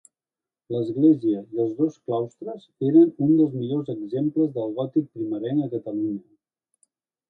L'església i els dos claustres eren un dels millors exemples del gòtic primerenc a Catalunya.